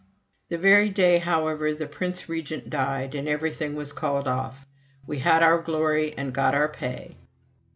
That very day, however, the Prince Regent died, and everything was called off. We had our glory and got our pay.